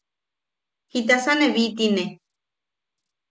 ¡Jitasa ne bwitine!